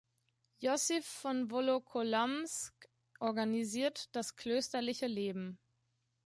Iossif von Wolokolamsk organisiert das klösterliche Leben.